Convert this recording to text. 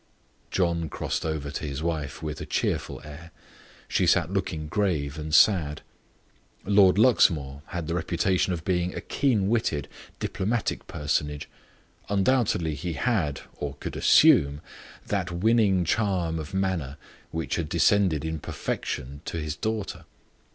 John crossed over to his wife with a cheerful air. She sat looking grave and sad. Lord Luxmore had the reputation of being a keen witted, diplomatic personage; undoubtedly he had, or could assume, that winning charm of manner which had descended in perfection to his daughter.